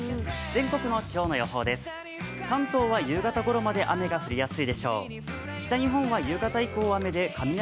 全国の今日の予報です。